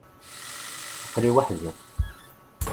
Aql-i weḥd-i.